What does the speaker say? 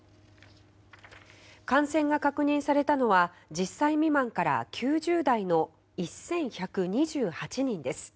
感染が確認されたのは１０歳未満から９０代の１１２８人です。